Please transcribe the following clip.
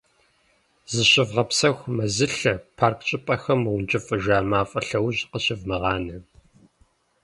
Зыщывгъэпсэху мэзылъэ, парк щӀыпӀэхэм мыункӀыфӀыжа мафӀэ лъэужь къыщывмыгъанэ.